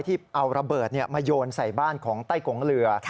ที่เอาระเบิดมาโยนใส่บ้านของไต้กงเรือ